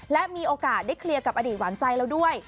และมีโอกาสได้เคลียร์กับอดีตหวานใจเราด้วย